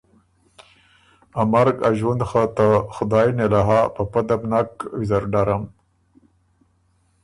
ا مرګ ا ݫوُند خه ته خدایٛ نېله هۀ په پۀ ده بو نک ویزر ډرم